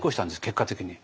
結果的に。